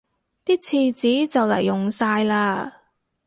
啲廁紙就黎用晒喇